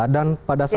dan pada saat